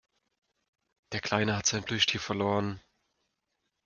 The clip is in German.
Der Kleine hat sein Plüschtier verloren.